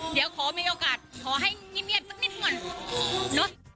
เดี๋ยวขอมีโอกาสขอให้เฮียนสักนิดหน่อย